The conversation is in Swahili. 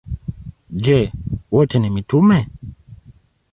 Je, wote ni mitume?